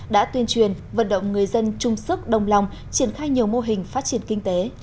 đã tuyên truyền vận động người dân chung sức đồng lòng triển khai nhiều mô hình phát triển kinh tế